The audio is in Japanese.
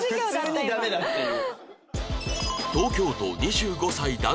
普通にダメだっていう。